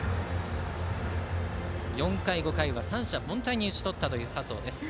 ４回と５回は三者凡退に打ち取った佐宗です。